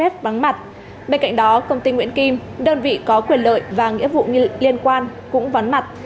bên cạnh đó công ty nguyễn kim đơn vị có quyền lợi và nghĩa vụ liên quan cũng vắng mặt